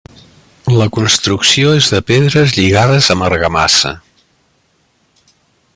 La construcció és de pedres lligades amb argamassa.